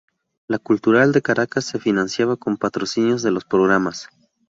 La Cultural de Caracas se financiaba con patrocinios de los programas.